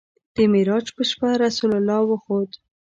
د معراج په شپه رسول الله وخوت.